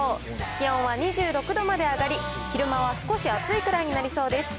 気温は２６度まで上がり、昼間は少し暑いくらいになりそうです。